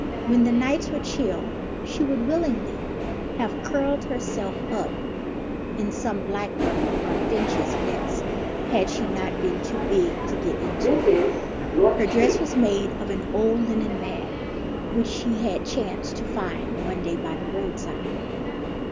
When the nights were chill, she would willingly have curled herself up in some blackbird or finch's nest, had she not been too big to get into it. Her dress was made of an old linen bag, which she had chanced to find one day by the roadside.